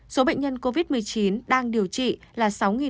số bệnh nhân covid một mươi chín đang điều trị là sáu bốn trăm một mươi người